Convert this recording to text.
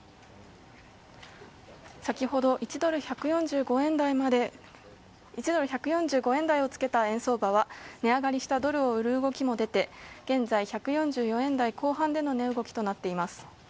先ほど１ドル＝１４５円台をつけた円相場は値上がりしたドルを売る動きも出て現在、１４４円台後半での値動きとなっています。